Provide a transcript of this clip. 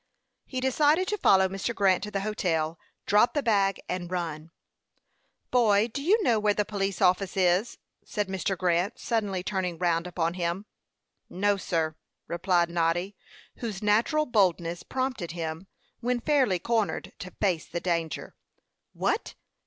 He decided to follow Mr. Grant to the hotel, drop the bag, and run. "Boy, do you know where the police office is?" said Mr. Grant, suddenly turning round upon him. "No, sir," replied Noddy, whose natural boldness prompted him, when fairly cornered, to face the danger. "What!